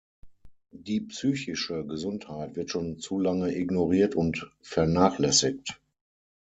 Die psychische Gesundheit wird schon zu lange ignoriert und vernachlässigt.